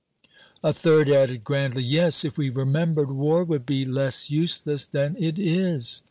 A third added grandly, "Yes, if we remembered, war would be less useless than it is."